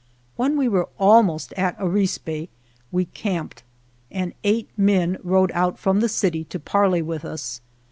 When we were almost at Arispe we camped, and eight men rode out from the city to parley with us.